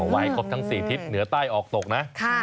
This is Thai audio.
ไว้ครบทั้ง๔ทิศเหนือใต้ออกตกนะ